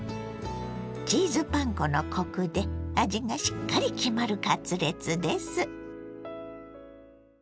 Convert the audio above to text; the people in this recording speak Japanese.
チーズパン粉のコクで味がしっかり決まるカツレツです。